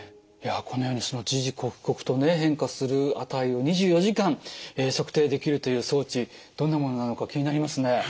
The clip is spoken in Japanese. いやこのようにその時々刻々とね変化する値を２４時間測定できるという装置どんなものなのか気になりますね。